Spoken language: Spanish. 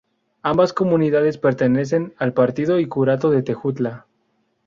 Ambas comunidades pertenecían al partido y curato de Tejutla.